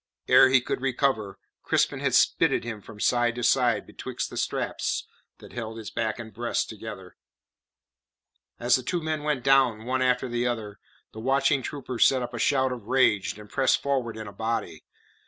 Ere he could recover, Crispin had spitted him from side to side betwixt the straps that held his back and breast together. As the two men went down, one after the other, the watching troopers set up a shout of rage, and pressed forward in a body.